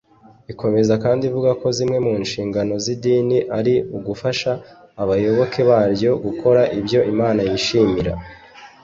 Ikomeza kandi ivuga ko zimwe mu nshingano z’idini ari ugufasha abayoboke baryo gukora ibyo Imana yishimira